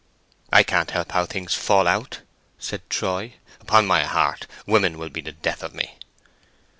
"I can't help how things fall out," said Troy; "upon my heart, women will be the death of me!"